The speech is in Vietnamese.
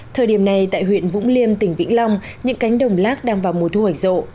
thời điểm này tại huyện vũng liêm tỉnh vĩnh long những cánh đồng lác đang vào mùa thu hoạch rộ